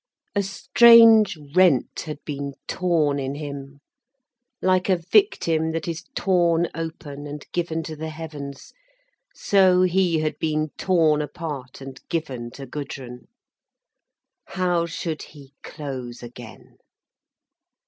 A strange rent had been torn in him; like a victim that is torn open and given to the heavens, so he had been torn apart and given to Gudrun. How should he close again?